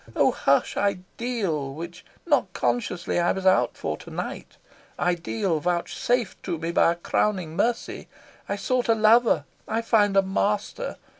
Oh hush, ideal which not consciously I was out for to night ideal vouchsafed to me by a crowning mercy! I sought a lover, I find a master.